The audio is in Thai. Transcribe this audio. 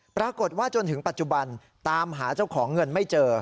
จนถึงปัจจุบันตามหาเจ้าของเงินไม่เจอ